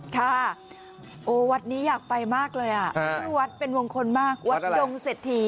ค่ะโอ้วัดนี้อยากไปมากเลยอ่ะชื่อวัดเป็นมงคลมากวัดยงเศรษฐี